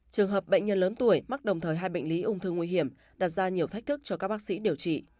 trường hợp bệnh nhân lớn tuổi mắc đồng thời hai bệnh lý ung thư nguy hiểm đặt ra nhiều thách thức cho các bác sĩ điều trị